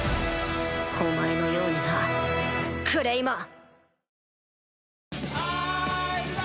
お前のようになクレイマン！